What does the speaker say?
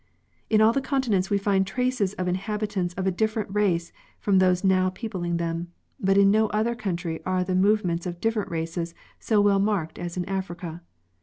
In all the continents we find traces of inhabitants of a different race from those now peopling them, but in no other country are the movements of different races so well marked as in Africa.